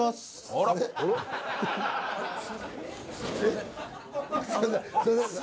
あらすいません